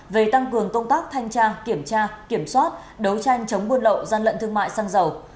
về tăng cường công tác thanh tra kiểm tra kiểm soát đấu tranh chống buôn lậu gian lận thương mại xăng dầu